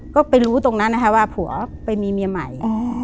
ก็ไปรู้ตรงนั้นนะคะว่าผัวไปมีเมียใหม่